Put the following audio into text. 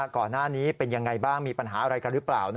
ก่อนหน้านี้เป็นยังไงบ้างมีปัญหาอะไรกันหรือเปล่า